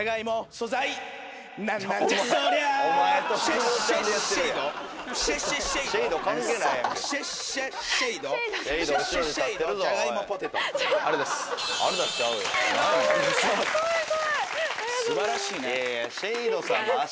素晴らしいね。